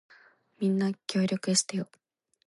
みんな、協力してよ。